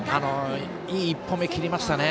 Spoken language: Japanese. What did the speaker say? いい１歩目を切りましたね。